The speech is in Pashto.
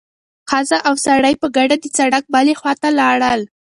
ښځه او سړی په ګډه د سړک بلې خوا ته لاړل.